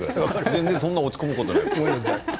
全然そんな落ち込むことない。